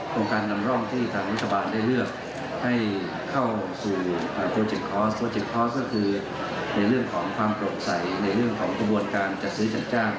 โครงการนำร่องที่ทางรัฐบาลได้เลือกให้เข้าสู่โปรเจกต์โปรเจกต์คอร์สก็คือในเรื่องของความโปร่งใสในเรื่องของกระบวนการจัดซื้อจัดจ้าง